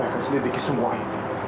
ayah akan selidiki semuanya